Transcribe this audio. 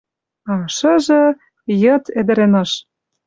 А ышыжы... Йыд — ӹдӹрӹн ыш.